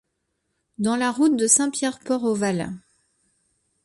dans la route de Saint-Pierre-Port au Valle.